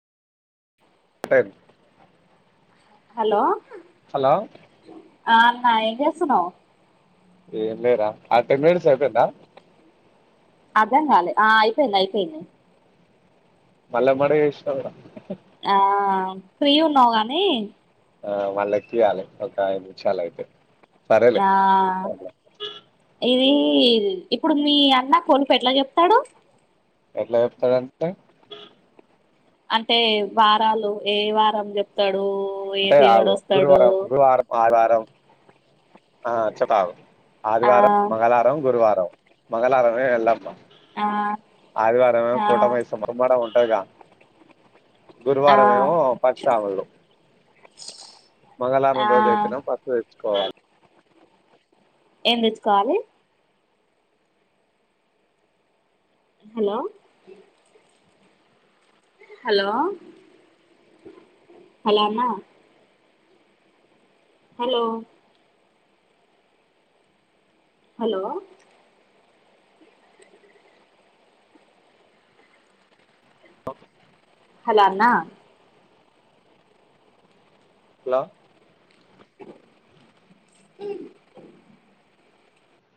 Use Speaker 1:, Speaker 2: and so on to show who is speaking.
Speaker 1: టర్
Speaker 2: hello
Speaker 1: hello
Speaker 2: అ అన్న ఏం చేస్తున్నావ్
Speaker 1: ఏం లేరా అటెనెన్స్ అపోయిందా
Speaker 2: అర్ధం కాలే ఆ అయిపోయింది అయిపోయింది
Speaker 1: మల్ల ఎమ్మటే చేసినవు గా
Speaker 2: ఆ ఫ్రీ ఉన్నావు అని
Speaker 1: ఆ మళ్ళ ఎక్కియాలే ఒక ఐదు నిమిషాలయితే
Speaker 2: నా ఇది ఇప్పుడు మీ అన్న కొలుపు ఎట్లా చెప్తాడు
Speaker 1: ఎట్లా చెప్తడు అంటే
Speaker 2: అంటే వారాలు ఏ వారం చెప్తాడు ఏ
Speaker 1: అట్ట
Speaker 2: దేవుడు
Speaker 1: కాదు
Speaker 2: వస్తాడు
Speaker 1: గురువారం గురువారం ఆదివారం ఆ చెపుతారు
Speaker 2: ఆ
Speaker 1: ఆదివారం మంగళారం గురువారం మంగళారమే ఎల్లమ్మ
Speaker 2: ఆ
Speaker 1: ఆదివార మెమో
Speaker 2: ఆ
Speaker 1: కోట మైస్ కొబ్బరిబోండాల్ ఉంటాయ్ గా
Speaker 2: ఆ
Speaker 1: గురువారం ఏమో పరశరాములు మంగళవారం
Speaker 2: ఆ
Speaker 1: రోజు అయితేనేమో పసుపు తెచ్చుకోవాలి
Speaker 2: ఏం తెచ్చుకోవాలి హలో హలో హలో అన్న హలో హలో హలో అన్న
Speaker 1: హలో
Speaker 2: హు